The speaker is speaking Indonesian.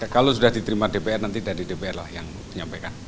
kalau sudah diterima dpr nanti dari dpr lah yang menyampaikan